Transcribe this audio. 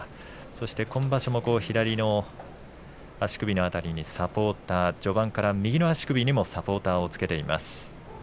そして今場所も左の足首の辺りにサポーター序盤から右の足首にもサポーターをつけています。